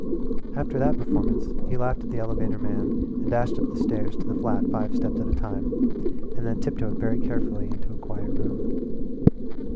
After that performance he laughed at the elevator man and dashed up the stairs to the flat five steps at a time and then tiptoed very carefully into a quiet room.